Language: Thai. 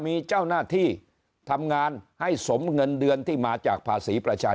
มีเจ้าหน้าที่ทำงานให้สมเงินเดือนที่มาจากภาษีประชาชน